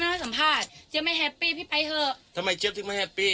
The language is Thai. ให้สัมภาษณ์เจี๊ยไม่แฮปปี้พี่ไปเถอะทำไมเจี๊บถึงไม่แฮปปี้